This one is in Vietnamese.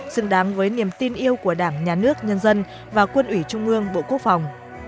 xứng đáng với niềm tin yêu của đảng nhà nước nhân dân và quân ủy trung ương bộ quốc phòng